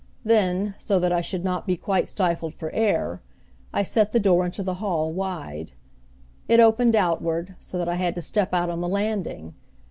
Then, so that I should not be quite stifled for air, I set the door into the hall wide. It opened outward, so that I had to step out on the landing.